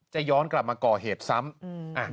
ย้อนกลับมาก่อเหตุซ้ำ